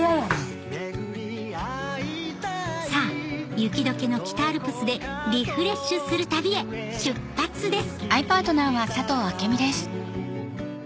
さぁ雪解けの北アルプスでリフレッシュする旅へ出発です